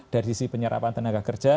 dari sisi penyerapan tenaga kerja